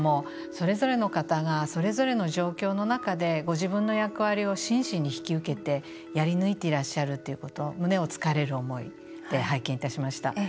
それぞれの方がそれぞれの状況の中でご自分の役割を真摯に引き受けやり抜いていらっしゃるということ胸をつかれる思いで拝見しました。